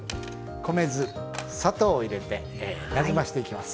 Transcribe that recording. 米酢砂糖を入れてなじませていきます。